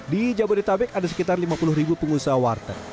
di jabodetabek ada sekitar lima puluh ribu pengusaha warteg